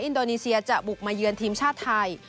อินโดนีเซียจะบุกมาเยือนทีมชาติไทย